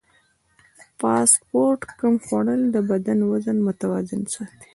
فاسټ فوډ کم خوړل د بدن وزن متوازن ساتي.